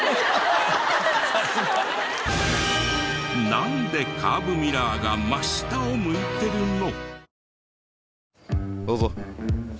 なんでカーブミラーが真下を向いてるの？